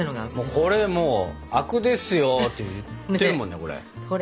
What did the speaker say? これもうあくですよって言ってるもんねこれ。